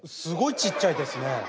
すごいちっちゃいですね。